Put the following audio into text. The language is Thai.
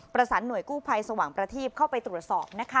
ประสันต์หน่วยกู้ไพสวงประทีเบียบเข้าไปตรวจสอบ